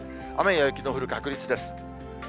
雨や雪の降る確率です。